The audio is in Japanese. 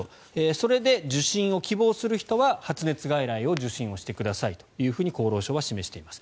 それで受診を希望する人は発熱外来を受診してくださいと厚労省は示しています。